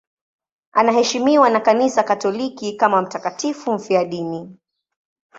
Anaheshimiwa na Kanisa Katoliki kama mtakatifu mfiadini.